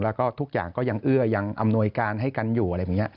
แล้วก็ทุกอย่างก็ยังเอื้อยังอำนวยการให้กันอยู่อะไรแบบนี้